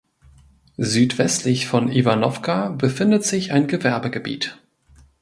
Südwestlich von Iwanowka befindet sich ein Gewerbegebiet.